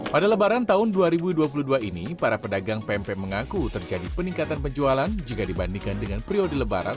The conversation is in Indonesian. pada lebaran tahun dua ribu dua puluh dua ini para pedagang pempe mengaku terjadi peningkatan penjualan jika dibandingkan dengan periode lebaran tahun dua ribu dua puluh dua